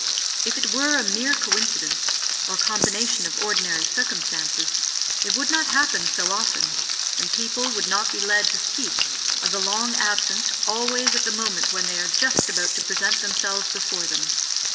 If it were a mere coincidence, or combination of ordinary circumstances, it would not happen so often, and people would not be led to speak of the long absent always at the moment when they are just about to present themselves before them.